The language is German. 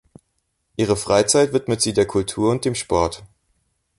Ihre Freizeit widmet sie der Kultur und dem Sport.